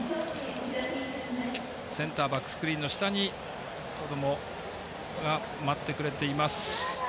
センターバックスクリーンの下にこどもが待ってくれています。